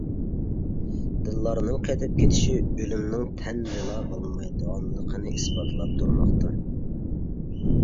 دىللارنىڭ قېتىپ كېتىشى ئۆلۈمنىڭ تەندىلا بولمايدىغانلىقىنى ئىسپاتلاپ تۇرماقتا.